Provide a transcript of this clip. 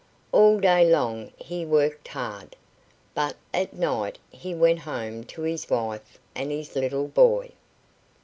All day long he worked hard, but at night he went home to his wife and his little boy.